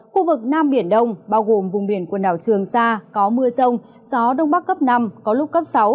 khu vực nam biển đông bao gồm vùng biển quần đảo trường sa có mưa rông gió đông bắc cấp năm có lúc cấp sáu